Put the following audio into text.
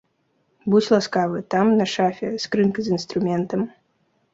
Будзь ласкавы, там, на шафе, скрынка з інструментам.